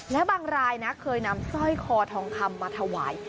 และบางรายนะเคยนำสร้อยคอทองคำมาถวาย